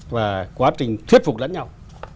và quá trình thuyết phục lẫn nhau